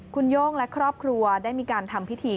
คุณโย่งและครอบครัวได้มีการทำพิธี